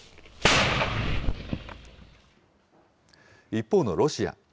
一方のロシア。